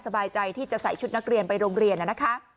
สบายใจที่จะใส่ชุดนักเรียนไปโรงเรียนนะคะ